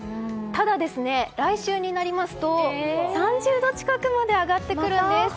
ただ、来週になりますと３０度近くまで上がってくるんです。